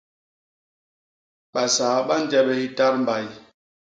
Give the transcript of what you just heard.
Basaa ba nje bé hitatmbay.